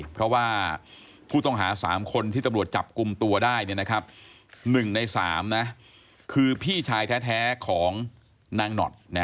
เพราะว่าผู้ต้องหา๓คนที่ตำรวจจับกลุ่มตัวได้๑ใน๓คือพี่ชายแท้ของนางหนอด